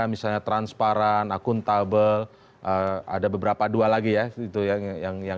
misalnya transparan akuntabel ada beberapa dua lagi ya